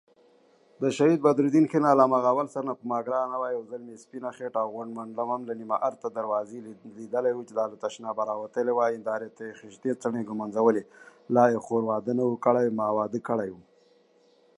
But whenever trouble arises, they strike their right hands together and shout, Whack 'em!